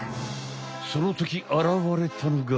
そのときあらわれたのが。